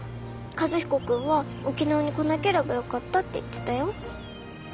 和彦君は沖縄に来なければよかったって言ってたよ。